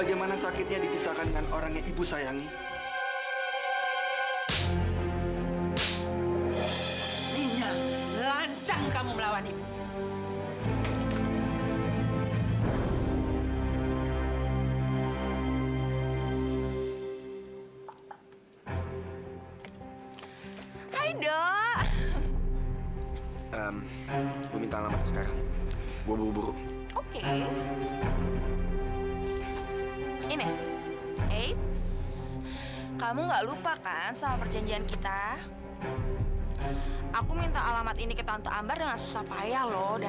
ini urusannya sangat penting sama teman kamila